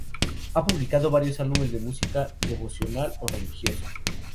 Ha publicado varios álbumes de música devocional o religioso.